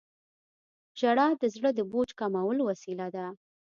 • ژړا د زړه د بوج کمولو وسیله ده.